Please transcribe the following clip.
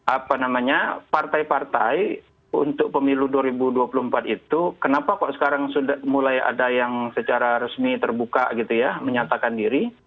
apa namanya partai partai untuk pemilu dua ribu dua puluh empat itu kenapa kok sekarang sudah mulai ada yang secara resmi terbuka gitu ya menyatakan diri